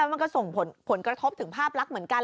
มันก็ส่งผลกระทบถึงภาพลักษณ์เหมือนกัน